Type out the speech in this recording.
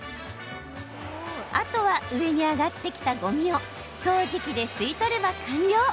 あとは、上に上がってきたごみを掃除機で吸い取れば完了。